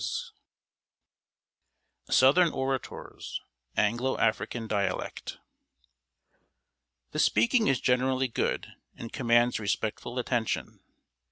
[Sidenote: SOUTHERN ORATORS ANGLO AFRICAN DIALECT.] The speaking is generally good, and commands respectful attention.